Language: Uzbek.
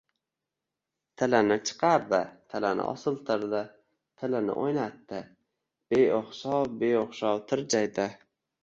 tilini chiqardi, tilini osiltirdi, tilini o‘ynatdi. Beo‘xshov-beo‘xshov tirjaydi...